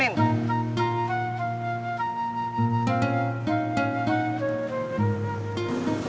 saya mau kebiaya dulu